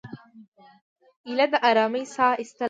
ایله د آرامۍ ساه وایستله.